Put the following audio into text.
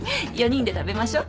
４人で食べましょ。